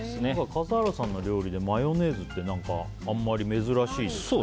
笠原さんの料理でマヨネーズって珍しいですね。